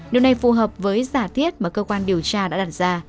điều này phù hợp với giả thiết mà cơ quan điều tra đã đặt ra